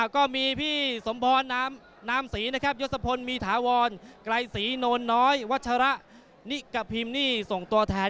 ก็มีพี่สมพรนามศรีนะครับยศพลมีถาวรไกรศรีโนนน้อยวัชระนิกพิมพ์นี่ส่งตัวแทน